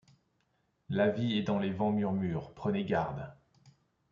La vie, et dans les vents murmure : prenez garde !